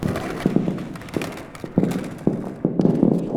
Afexxaṛ mi yiqdem, erẓ-it!